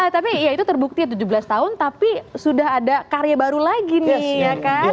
tapi ya itu terbukti tujuh belas tahun tapi sudah ada karya baru lagi nih ya kan